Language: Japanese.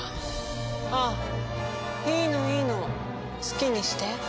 ああいいのいいの好きにして。